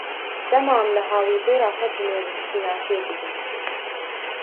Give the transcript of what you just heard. Dema em li hawîrdora xwe dinêrin şînatiyê dibînin.